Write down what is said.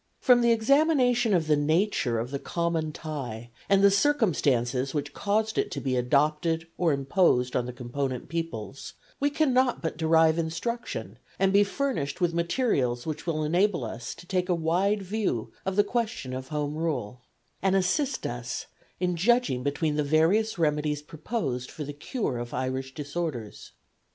From the examination of the nature of the common tie, and the circumstances which caused it to be adopted or imposed on the component peoples, we cannot but derive instruction, and be furnished with materials which will enable us to take a wide view of the question of Home Rule, and assist us in judging between the various remedies proposed for the cure of Irish disorders.